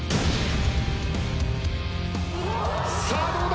さあどうだ！？